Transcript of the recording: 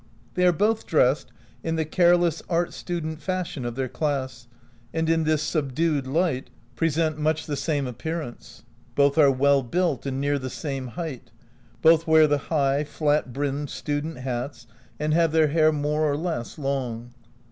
They are both dressed in the care less art student fashion of their class, and in this subdued light present much the same appearance. Both are well built and near the same height ; both wear the high, flat brimmed student hats, and have their hair OUT OF BOHEMIA more or less long.